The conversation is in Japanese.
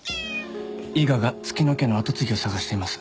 伊賀が月乃家の跡継ぎを捜しています。